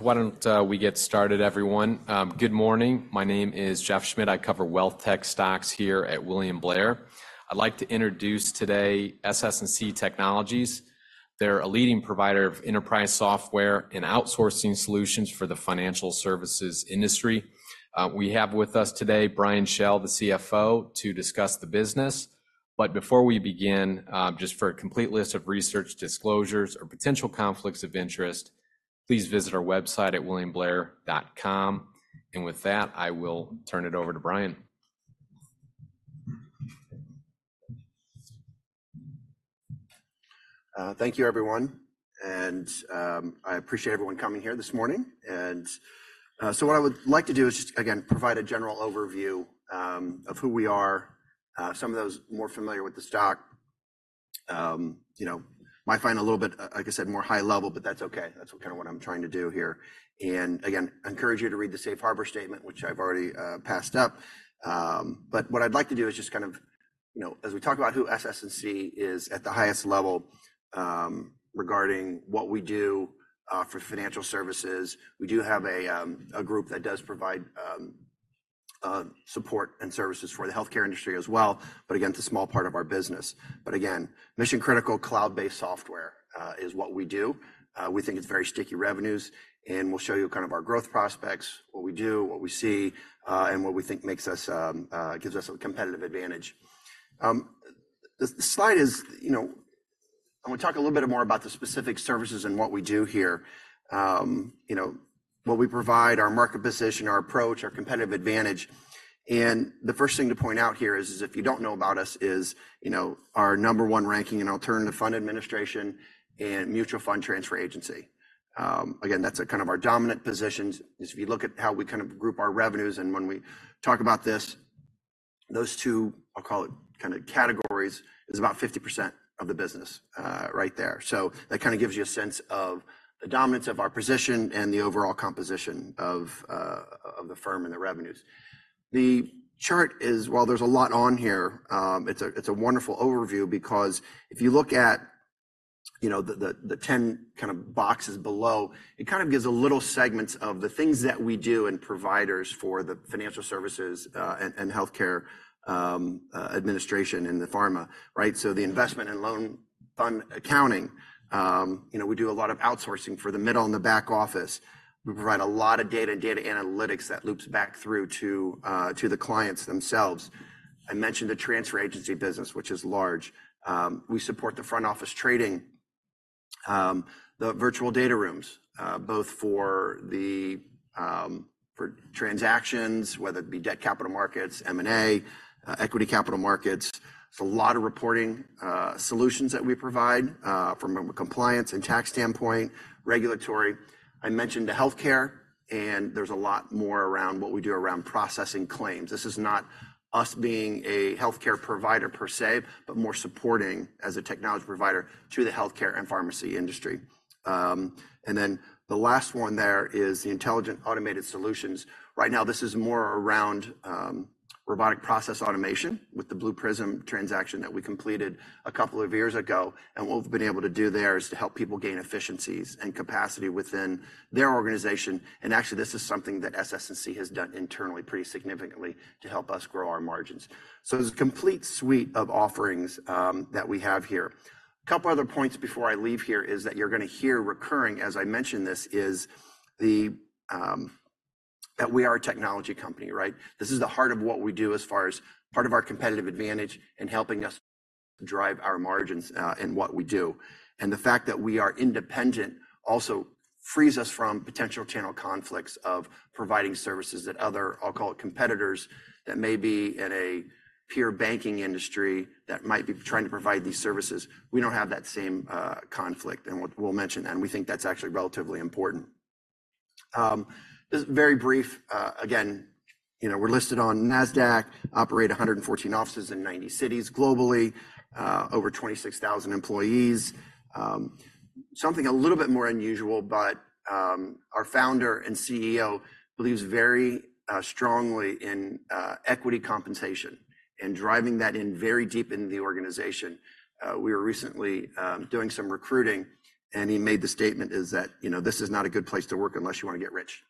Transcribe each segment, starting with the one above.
Why don't we get started, everyone? Good morning. My name is Jeff Schmitt. I cover wealth tech stocks here at William Blair. I'd like to introduce today SS&C Technologies. They're a leading provider of Enterprise Software and Outsourcing Solutions for the financial services industry. We have with us today Brian Schell, the CFO, to discuss the business. But before we begin, just for a complete list of research disclosures or potential conflicts of interest, please visit our website at williamblair.com. With that, I will turn it over to Brian. Thank you, everyone, and I appreciate everyone coming here this morning. So what I would like to do is just, again, provide a general overview of who we are. Some of those more familiar with the stock, you know, might find a little bit, like I said, more high level, but that's okay. That's kind of what I'm trying to do here. Again, I encourage you to read the Safe Harbor Statement, which I've already passed up. But what I'd like to do is just kind of, you know, as we talk about who SS&C is at the highest level, regarding what we do for financial services. We do have a group that does provide support and services for the healthcare industry as well, but again, it's a small part of our business. But again, mission-critical, cloud-based software is what we do. We think it's very sticky revenues, and we'll show you kind of our growth prospects, what we do, what we see, and what we think makes us gives us a competitive advantage. The slide is, you know, I'm gonna talk a little bit more about the specific services and what we do here. You know, what we provide, our market position, our approach, our competitive advantage. And the first thing to point out here is if you don't know about us, is, you know, our number one ranking in alternative fund administration and mutual fund transfer agency. Again, that's a kind of our dominant positions. If you look at how we group our revenues and when we talk about this, those two, I'll call it categories, is about 50% of the business, right there. So that gives you a sense of the dominance of our position and the overall composition of the firm and the revenues. The chart is, while there's a lot on here, it's a, it's a wonderful overview because if you look at, you know, the 10 kind of boxes below, it kind of gives a little segments of the things that we do and providers for the financial services, and healthcare, administration and the pharma, right? So the investment and loan fund accounting, you know, we do a lot of outsourcing for the middle and the back office. We provide a lot of data and data analytics that loops back through to the clients themselves. I mentioned the transfer agency business, which is large. We support the front-office trading, the virtual data rooms, both for transactions, whether it be debt capital markets, M&A, equity capital markets. It's a lot of reporting solutions that we provide from a compliance and tax standpoint, regulatory. I mentioned the healthcare, and there's a lot more around what we do around processing claims. This is not us being a healthcare provider per se, but more supporting as a technology provider to the healthcare and pharmacy industry. And then the last one there is the intelligent automated solutions. Right now, this is more around robotic process automation with the Blue Prism transaction that we completed a couple of years ago, and what we've been able to do there is to help people gain efficiencies and capacity within their organization. Actually, this is something that SS&C has done internally pretty significantly to help us grow our margins. So there's a complete suite of offerings that we have here. A couple other points before I leave here is that you're gonna hear recurring, as I mentioned this, is the that we are a technology company, right? This is the heart of what we do as far as part of our competitive advantage in helping us drive our margins in what we do. The fact that we are independent also frees us from potential channel conflicts of providing services that other, I'll call it, competitors that may be in a peer banking industry that might be trying to provide these services. We don't have that same conflict, and we'll mention, and we think that's actually relatively important. Just very brief, again, you know, we're listed on NASDAQ, operate 114 offices in 90 cities globally, over 26,000 employees. Something a little bit more unusual, but, our Founder and CEO believes very strongly in equity compensation and driving that in very deep in the organization. We were recently doing some recruiting, and he made the statement is that, "You know, this is not a good place to work unless you want to get rich."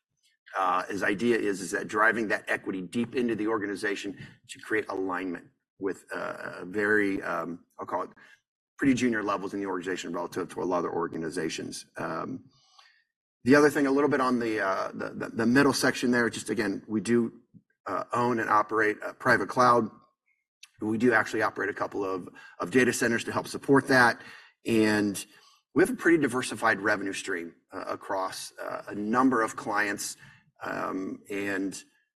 His idea is that driving that equity deep into the organization to create alignment with a very, I'll call it, pretty junior levels in the organization relative to a lot of other organizations. The other thing, a little bit on the middle section there, just again, we do own and operate a private cloud. We do actually operate a couple of data centers to help support that, and we have a pretty diversified revenue stream across a number of clients. And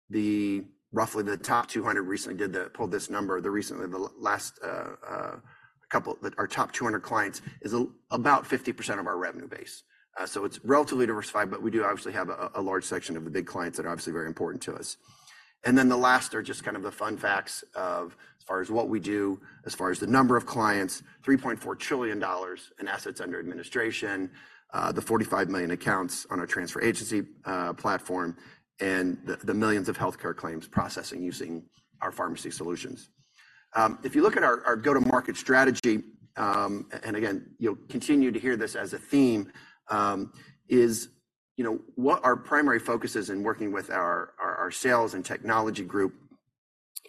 the-- roughly the top 200 recently did the-- pulled this number, the recently, the last couple... Our top 200 clients is about 50% of our revenue base. So it's relatively diversified, but we do obviously have a large section of the big clients that are obviously very important to us. Then the last are just kind of the fun facts of as far as what we do, as far as the number of clients, $3.4 trillion in assets under administration, the 45 million accounts on our transfer agency platform, and the millions of healthcare claims processing using our pharmacy solutions. If you look at our go-to-market strategy, and again, you'll continue to hear this as a theme, is, you know, what our primary focus is in working with our sales and technology group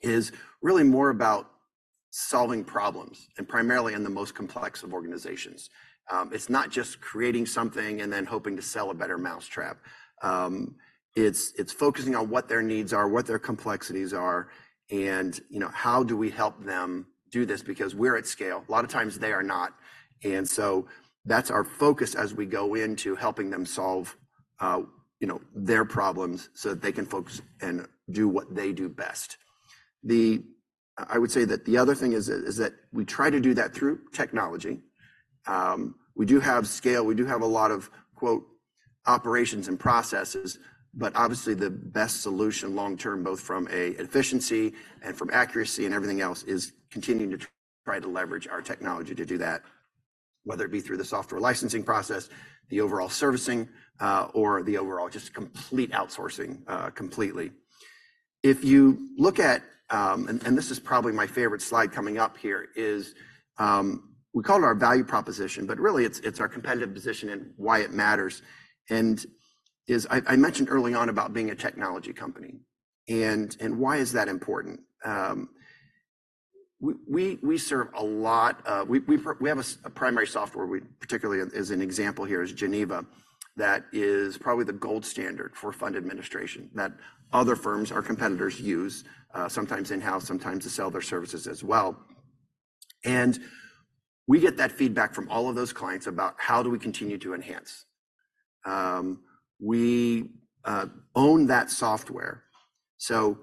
is really more about solving problems, and primarily in the most complex of organizations. It's not just creating something and then hoping to sell a better mousetrap. It's focusing on what their needs are, what their complexities are, and, you know, how do we help them do this? Because we're at scale, a lot of times they are not. And so that's our focus as we go into helping them solve, you know, their problems so that they can focus and do what they do best. I would say that the other thing is that we try to do that through technology. We do have scale, we do have a lot of, quote, "operations and processes," but obviously the best solution long term, both from an efficiency and from accuracy and everything else, is continuing to try to leverage our technology to do that, whether it be through the software licensing process, the overall servicing, or the overall just complete outsourcing, completely. If you look at. And this is probably my favorite slide coming up here, is we call it our value proposition, but really it's, it's our competitive position and why it matters. And I mentioned early on about being a technology company, and why is that important? We serve a lot. We have a primary software, we particularly as an example here is Geneva, that is probably the gold standard for fund administration that other firms, our competitors, use, sometimes in-house, sometimes to sell their services as well. We get that feedback from all of those clients about how do we continue to enhance. We own that software, so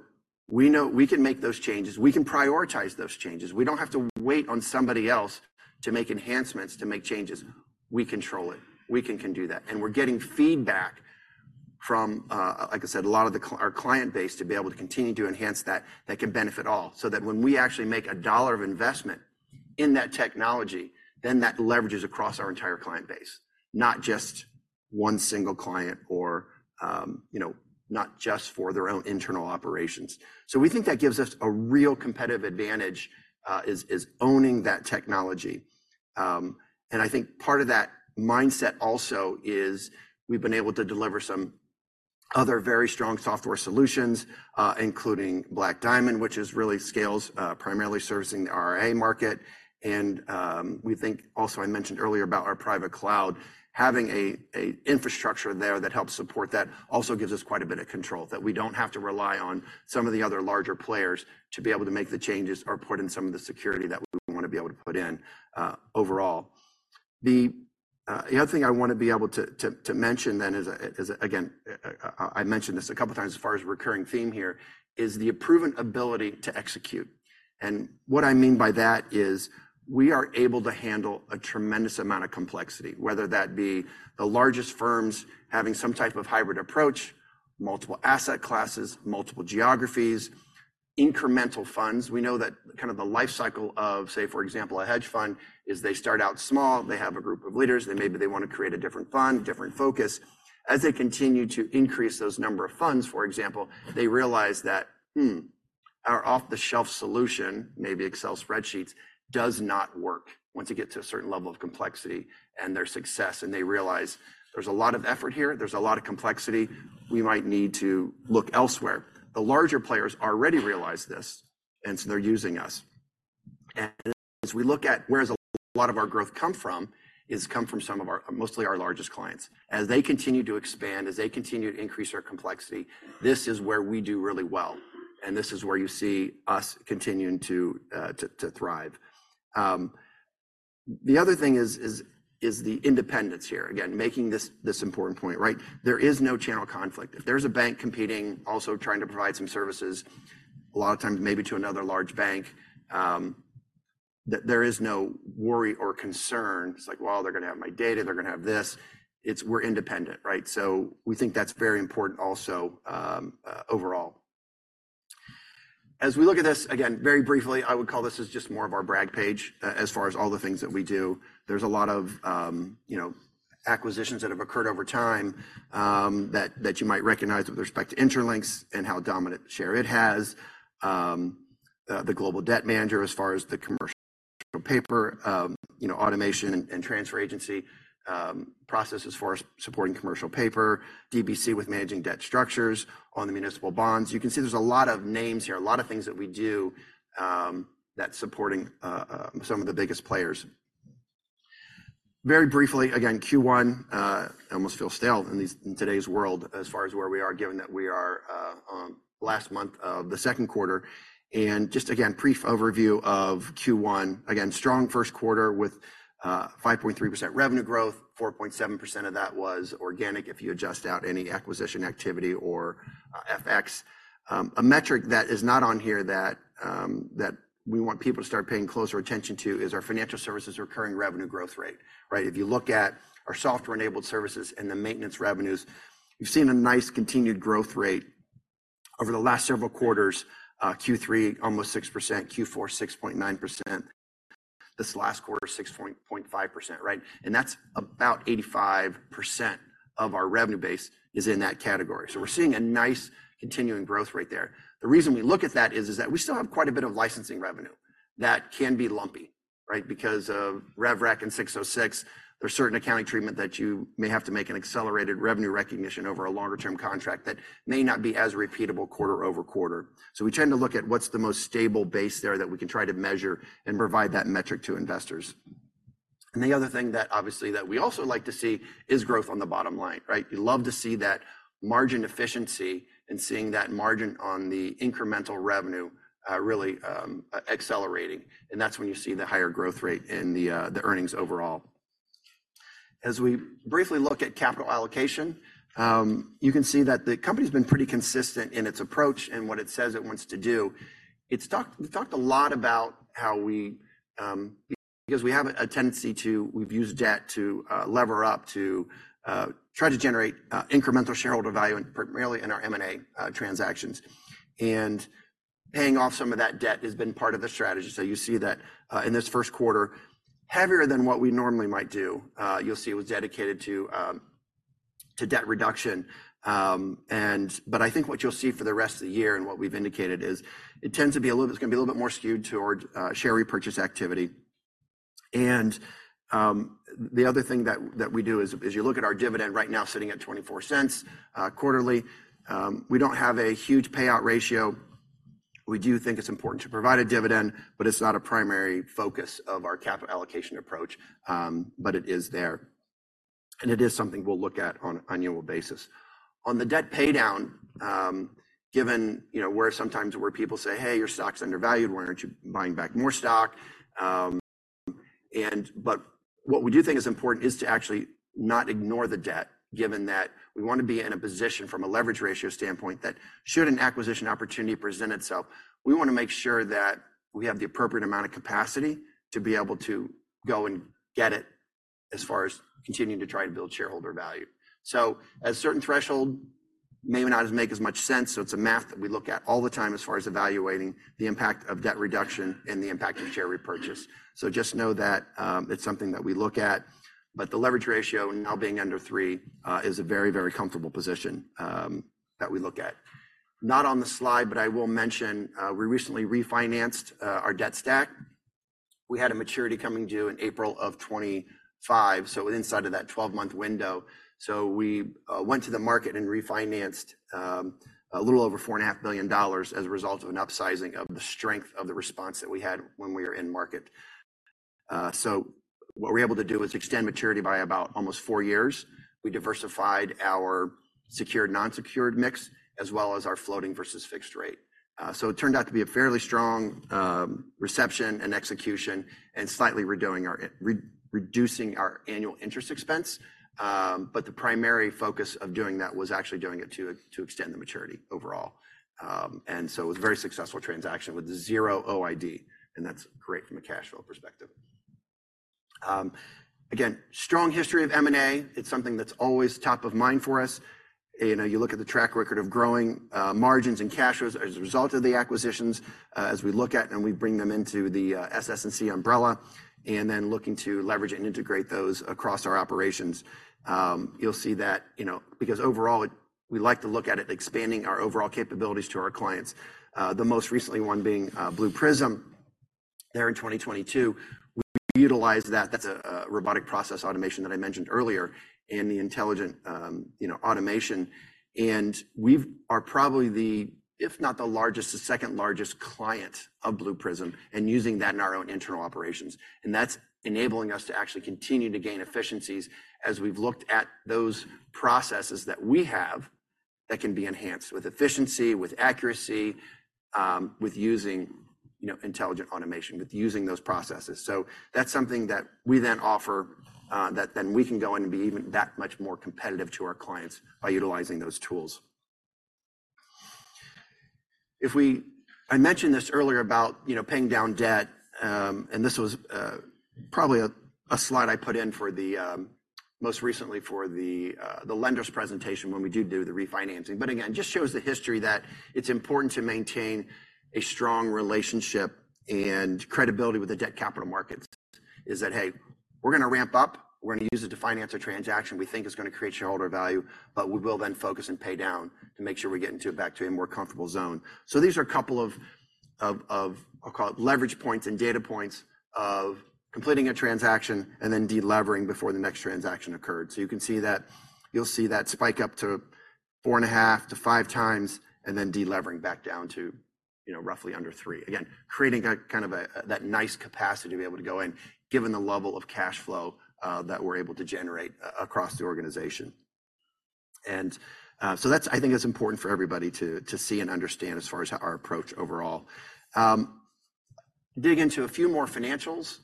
we know we can make those changes. We can prioritize those changes. We don't have to wait on somebody else to make enhancements, to make changes. We control it. We can come do that, and we're getting feedback from, like I said, a lot of our client base to be able to continue to enhance that that can benefit all. So that when we actually make $1 of investment in that technology, then that leverages across our entire client base, not just one single client or, you know, not just for their own internal operations. So we think that gives us a real competitive advantage, is owning that technology. And I think part of that mindset also is we've been able to deliver some other very strong software solutions, including Black Diamond, which is really scales, primarily servicing the RIA market. We think also, I mentioned earlier about our private cloud, having infrastructure there that helps support that also gives us quite a bit of control, that we don't have to rely on some of the other larger players to be able to make the changes or put in some of the security that we wanna be able to put in, overall. The other thing I want to mention then is, again, I mentioned this a couple of times as far as recurring theme here, is the proven ability to execute. And what I mean by that is we are able to handle a tremendous amount of complexity, whether that be the largest firms having some type of hybrid approach, multiple asset classes, multiple geographies, incremental funds. We know that kind of the life cycle of, say, for example, a hedge fund, is they start out small, they have a group of leaders, and maybe they want to create a different fund, different focus. As they continue to increase those number of funds, for example, they realize that, "Hmm, our off-the-shelf solution, maybe Excel spreadsheets, does not work once you get to a certain level of complexity and their success," and they realize there's a lot of effort here, there's a lot of complexity, we might need to look elsewhere. The larger players already realize this, and so they're using us. And as we look at where a lot of our growth come from, is come from some of our, mostly our largest clients. As they continue to expand, as they continue to increase our complexity, this is where we do really well, and this is where you see us continuing to, to thrive. The other thing is the independence here. Again, making this important point, right? There is no channel conflict. If there's a bank competing, also trying to provide some services, a lot of times, maybe to another large bank, there is no worry or concern. It's like, "Well, they're gonna have my data, they're gonna have this." It's we're independent, right? So we think that's very important also, overall. As we look at this, again, very briefly, I would call this as just more of our brag page as far as all the things that we do. There's a lot of, you know, acquisitions that have occurred over time, that you might recognize with respect to Intralinks and how dominant share it has. The global debt manager, as far as the commercial paper, you know, automation and transfer agency processes for supporting commercial paper, DBC with managing debt structures on the municipal bonds. You can see there's a lot of names here, a lot of things that we do, that's supporting some of the biggest players. Very briefly, again, Q1 almost feel stale in these, in today's world, as far as where we are, given that we are last month of the second quarter. Just again, brief overview of Q1. Again, strong first quarter with 5.3% revenue growth, 4.7% of that was organic if you adjust out any acquisition activity or FX. A metric that is not on here that we want people to start paying closer attention to is our financial services recurring revenue growth rate, right? If you look at our software-enabled services and the maintenance revenues, you've seen a nice continued growth rate over the last several quarters. Q3, almost 6%, Q4, 6.9%. This last quarter, 6.5%, right? And that's about 85% of our revenue base is in that category. So we're seeing a nice continuing growth rate there. The reason we look at that is that we still have quite a bit of licensing revenue that can be lumpy, right? Because of rev rec in 606, there's certain accounting treatment that you may have to make an accelerated revenue recognition over a longer-term contract that may not be as repeatable quarter-over-quarter. So we tend to look at what's the most stable base there that we can try to measure and provide that metric to investors. And the other thing that obviously, that we also like to see is growth on the bottom line, right? You love to see that margin efficiency and seeing that margin on the incremental revenue, really accelerating, and that's when you see the higher growth rate in the, the earnings overall. As we briefly look at capital allocation, you can see that the company's been pretty consistent in its approach and what it says it wants to do. We've talked a lot about how we, because we have a tendency to, we've used debt to, lever up, to, try to generate, incremental shareholder value, and primarily in our M&A transactions. Paying off some of that debt has been part of the strategy. So you see that, in this first quarter, heavier than what we normally might do, you'll see it was dedicated to, to debt reduction. And, but I think what you'll see for the rest of the year, and what we've indicated is, it tends to be a little, it's gonna be a little bit more skewed towards, share repurchase activity. And, the other thing that, that we do is, as you look at our dividend right now sitting at $0.24 quarterly, we don't have a huge payout ratio. We do think it's important to provide a dividend, but it's not a primary focus of our capital allocation approach, but it is there, and it is something we'll look at on an annual basis. On the debt paydown, given, you know, where sometimes where people say, "Hey, your stock's undervalued, why aren't you buying back more stock?" and but what we do think is important is to actually not ignore the debt, given that we wanna be in a position from a leverage ratio standpoint, that should an acquisition opportunity present itself, we wanna make sure that we have the appropriate amount of capacity to be able to go and get it, as far as continuing to try to build shareholder value. So at a certain threshold, it may not make as much sense, so it's a math that we look at all the time as far as evaluating the impact of debt reduction and the impact of share repurchase. So just know that, it's something that we look at, but the leverage ratio now being under 3 is a very, very comfortable position that we look at. Not on the slide, but I will mention, we recently refinanced our debt stack. We had a maturity coming due in April of 2025, so inside of that 12-month window. So we went to the market and refinanced a little over $4.5 million as a result of an upsizing of the strength of the response that we had when we were in market. So what we're able to do is extend maturity by about almost four years. We diversified our secured, unsecured mix, as well as our floating versus fixed rate. So it turned out to be a fairly strong reception and execution, and slightly reducing our annual interest expense. But the primary focus of doing that was actually doing it to extend the maturity overall. And so it was a very successful transaction with 0 OID, and that's great from a cash flow perspective. Again, strong history of M&A. It's something that's always top of mind for us. You know, you look at the track record of growing margins and cash flows as a result of the acquisitions as we look at and we bring them into the SS&C umbrella, and then looking to leverage and integrate those across our operations. You'll see that, you know, because overall, we like to look at it, expanding our overall capabilities to our clients. The most recently one being Blue Prism there in 2022. We utilized that, that's a robotic process automation that I mentioned earlier in the intelligent, you know, automation. And we are probably the, if not the largest, the second largest client of Blue Prism, and using that in our own internal operations. That's enabling us to actually continue to gain efficiencies as we've looked at those processes that we have, that can be enhanced with efficiency, with accuracy, with using, you know, intelligent automation, with using those processes. So that's something that we then offer, that then we can go in and be even that much more competitive to our clients by utilizing those tools. If we, I mentioned this earlier about, you know, paying down debt, and this was probably a slide I put in for the most recently for the lenders presentation when we do the refinancing. Again, just shows the history that it's important to maintain a strong relationship and credibility with the Debt Capital Markets. Is that, hey, we're gonna ramp up, we're gonna use it to finance a transaction we think is gonna create shareholder value, but we will then focus and pay down to make sure we get into a back to a more comfortable zone. So these are a couple of, I'll call it leverage points and data points of completing a transaction and then delevering before the next transaction occurred. So you can see that, you'll see that spike up to 4.5-5x, and then delevering back down to, you know, roughly under three. Again, creating a, kind of a, that nice capacity to be able to go in, given the level of cash flow, that we're able to generate across the organization. And, so that's I think it's important for everybody to see and understand as far as our approach overall. Dig into a few more financials,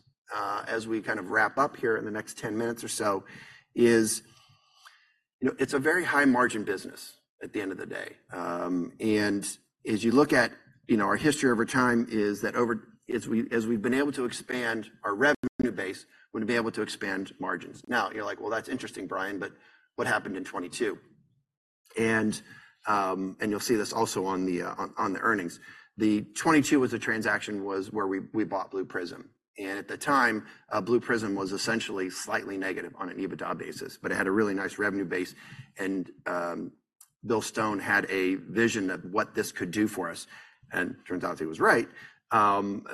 as we kind of wrap up here in the next 10 minutes or so, you know, it's a very high-margin business at the end of the day. And as you look at, you know, our history over time, is that over, as we, as we've been able to expand our revenue base, we've been able to expand margins. Now, you're like, "Well, that's interesting, Brian, but what happened in 2022?". And, and you'll see this also on the, on, on the earnings. The 2022 was a transaction where we bought Blue Prism, and at the time, Blue Prism was essentially slightly negative on an EBITDA basis, but it had a really nice revenue base. Bill Stone had a vision of what this could do for us, and turns out he was right.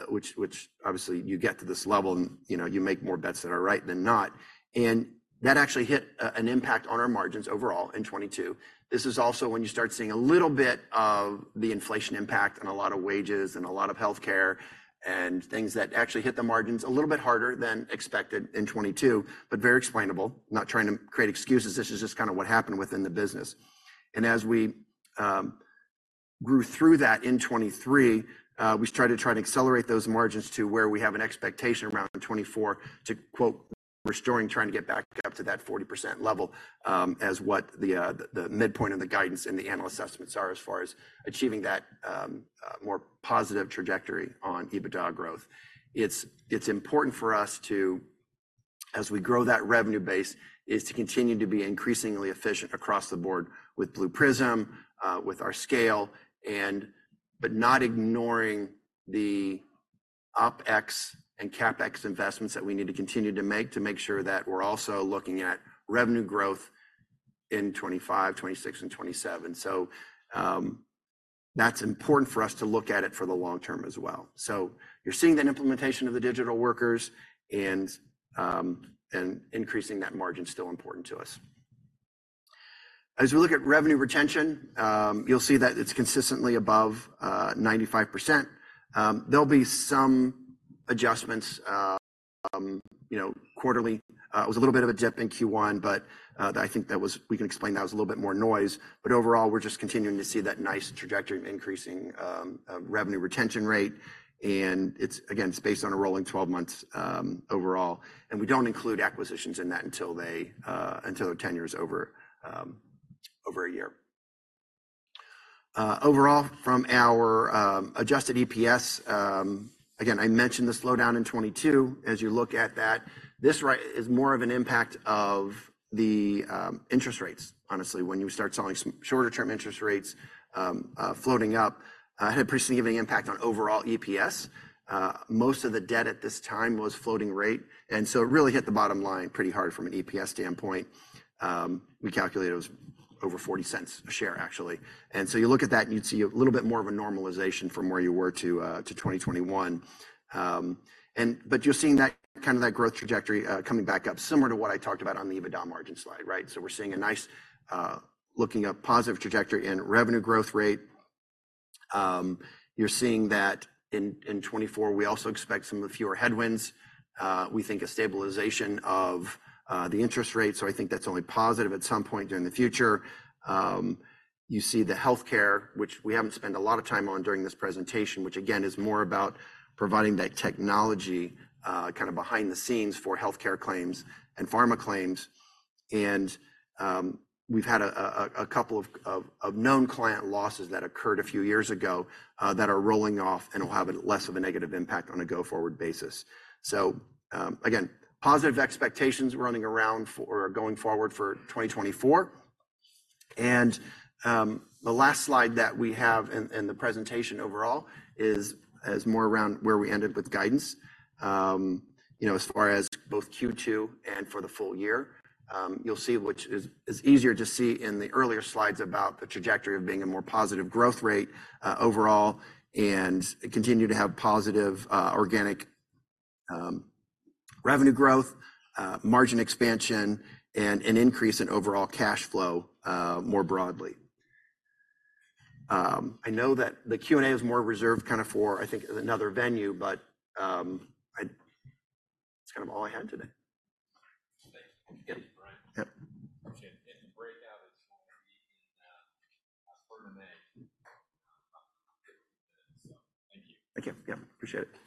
Which obviously you get to this level and, you know, you make more bets that are right than not. And that actually hit an impact on our margins overall in 2022. This is also when you start seeing a little bit of the inflation impact on a lot of wages and a lot of healthcare, and things that actually hit the margins a little bit harder than expected in 2022, but very explainable. Not trying to create excuses, this is just kinda what happened within the business. As we grew through that in 2023, we tried to accelerate those margins to where we have an expectation around 2024 to, quote, "Restore and trying to get back up to that 40% level," as what the midpoint of the guidance and the analyst assessments are as far as achieving that more positive trajectory on EBITDA growth. It's important for us to, as we grow that revenue base, is to continue to be increasingly efficient across the board with Blue Prism, with our scale, and, but not ignoring the OpEx and CapEx investments that we need to continue to make, to make sure that we're also looking at revenue growth in 2025, 2026, and 2027. That's important for us to look at it for the long term as well. So you're seeing that implementation of the digital workers and increasing that margin is still important to us. As we look at revenue retention, you'll see that it's consistently above 95%. There'll be some adjustments, you know, quarterly. It was a little bit of a dip in Q1, but I think that was - we can explain that as a little bit more noise, but overall, we're just continuing to see that nice trajectory of increasing revenue retention rate. And it's again, it's based on a rolling 12 months, overall, and we don't include acquisitions in that until their tenure is over, over a year. Overall, from our adjusted EPS, again, I mentioned the slowdown in 2022. As you look at that, this rate is more of an impact of the interest rates, honestly, when you start seeing some shorter-term interest rates floating up, it had a pretty significant impact on overall EPS. Most of the debt at this time was floating rate, and so it really hit the bottom line pretty hard from an EPS standpoint. We calculated it was over $0.40 a share, actually. And so you look at that, and you'd see a little bit more of a normalization from where you were to 2021. And but you're seeing that, kind of that growth trajectory coming back up, similar to what I talked about on the EBITDA margin slide, right? So we're seeing a nice looking a positive trajectory in revenue growth rate. You're seeing that in 2024, we also expect some of the fewer headwinds. We think a stabilization of the interest rate. So I think that's only positive at some point during the future. You see the healthcare, which we haven't spent a lot of time on during this presentation, which again, is more about providing that technology kind of behind the scenes for healthcare claims and pharma claims. And we've had a couple of known client losses that occurred a few years ago that are rolling off and will have less of a negative impact on a go-forward basis. So again, positive expectations running around for going forward for 2024. And the last slide that we have in the presentation overall is more around where we ended with guidance. You know, as far as both Q2 and for the full year, you'll see, which is easier to see in the earlier slides about the trajectory of being a more positive growth rate, overall, and continue to have positive, organic, revenue growth, margin expansion, and an increase in overall cash flow, more broadly. I know that the Q&A is more reserved kinda for, I think, another venue, but, I, It's kind of all I had today. Thank you. Yep, right. Yep. Appreciate it. And the breakout is. [inaudible] So thank you. Thank you. Yep, appreciate it. Yep.